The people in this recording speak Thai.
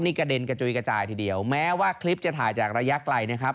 นี่กระเด็นกระจุยกระจายทีเดียวแม้ว่าคลิปจะถ่ายจากระยะไกลนะครับ